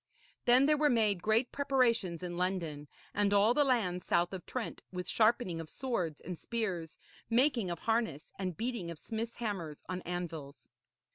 Then there were made great preparations in London and all the lands south of Trent, with sharpening of swords and spears, making of harness and beating of smiths' hammers on anvils.